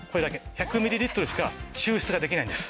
１００ミリリットルしか抽出ができないんです。